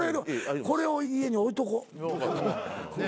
これ家に置いとこう。